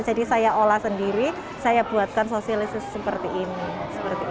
jadi saya olah sendiri saya buatkan sosialisasi seperti ini